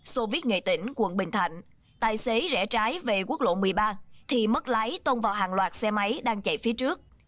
xô viết nghệ tỉnh quận bình thạnh tài xế rẽ trái về quốc lộ một mươi ba thì mất lái tông vào hàng loạt xe máy đang chạy phía trước